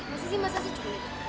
masa sih masa sih cuy